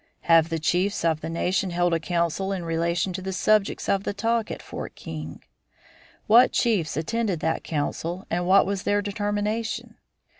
Have the chiefs of the nation held a council in relation to the subjects of the talk at Fort King? What chiefs attended that council and what was their determination?